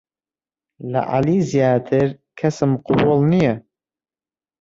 لە عەلی زیاتر کەسم قەبووڵ نییە.